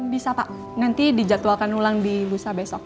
bisa pak nanti dijadwalkan ulang di busa besok